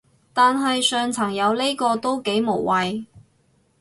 但係上層有呢個都幾無謂